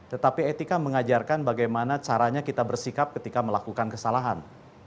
tetapi etika mengajarkan bagaimana caranya kita bersikap ketika melakukan kesalahan